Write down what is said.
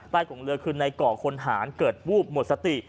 กงเรือคือในก่อคนหารเกิดวูบหมดสติ